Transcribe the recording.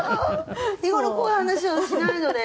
日頃こういう話はしないので。